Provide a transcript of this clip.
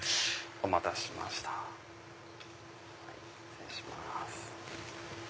お待たせしました失礼します。